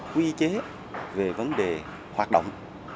các quy chế về vấn đề hoạt động